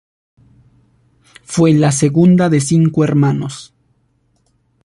Fue la segunda de cinco hermanos.